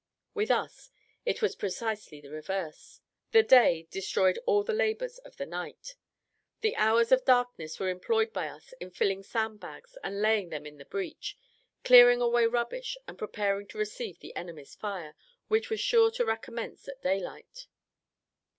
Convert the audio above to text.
With us it was precisely the reverse: the day destroyed all the labours of the night. The hours of darkness were employed by us in filling sand bags, and laying them in the breach, clearing away rubbish, and preparing to receive the enemy's fire, which was sure to recommence at daylight.